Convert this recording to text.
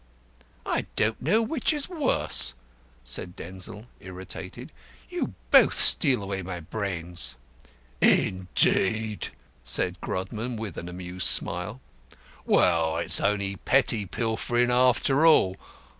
"I don't know which is worse," said Denzil, irritated. "You both steal away my brains." "Indeed?" said Grodman, with an amused smile. "Well, it's only petty pilfering, after all.